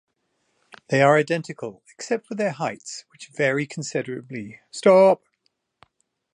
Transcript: They are identical except for their heights, which vary considerably.